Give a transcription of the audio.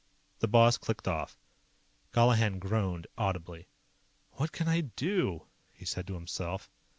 The boss clicked off. Colihan groaned audibly. "What can I do?" he said to himself.